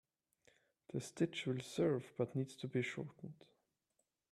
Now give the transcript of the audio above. The stitch will serve but needs to be shortened.